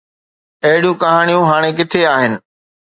اهڙيون ڪهاڻيون هاڻي ڪٿي آهن؟